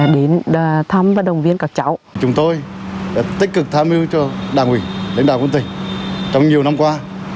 đến thăm và đồng viên các cháu chúng tôi tích cực tham mưu cho đảng ủy đánh đạo quân tỉnh trong nhiều năm qua